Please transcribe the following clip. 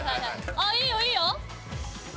あっいいよいいよ！